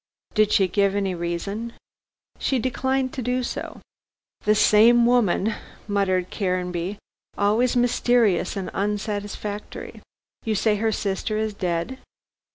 "Did she give any reason?" "She declined to do so." "The same woman," muttered Caranby, "always mysterious and unsatisfactory. You say her sister is dead?"